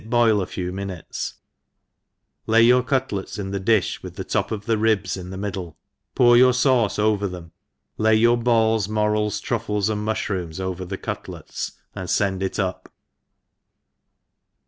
boil a few minutes, lay your cutlets in fhe difh, with the top of the ribs in the middle, pour your f^uce over them, lay your balls, morels, truffles, and mufhrooms ever the cutlets, and fend them up.